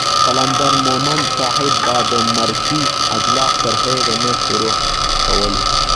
قلندر مومند صاحب به د مرکې اجلاس تر هغې نه شروع کولو